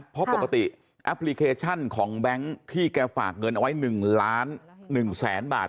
เพราะปกติแอปพลิเคชันของแบงค์ที่แกฝากเงินเอาไว้๑ล้าน๑แสนบาท